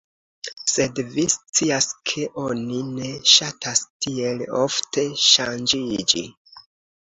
Sed vi scias ke oni ne ŝatas tiel ofte ŝanĝiĝi."